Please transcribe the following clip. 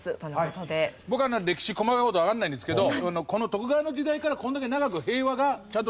僕は歴史細かい事はわからないんですけど。